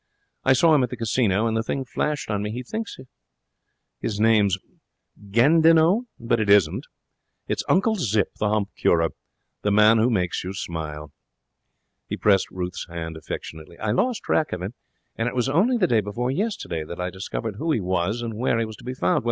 I saw him at the casino, and the thing flashed on me. He thinks his name's Gandinot, but it isn't. It's Uncle Zip, the Hump Curer, the Man who Makes You Smile.' He pressed Ruth's hand affectionately. 'I lost track of him, and it was only the day before yesterday that I discovered who he was and where he was to be found.